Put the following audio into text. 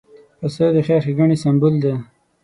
پسه د خیر ښېګڼې سمبول دی.